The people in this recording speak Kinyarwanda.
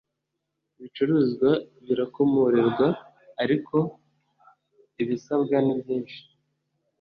ibicuruzwa birakomorerwa ariko ibisabwa ni byinshi